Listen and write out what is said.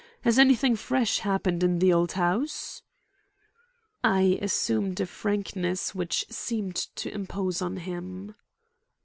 Has anything fresh happened in the old house?" I assumed a frankness which seemed to impose on him.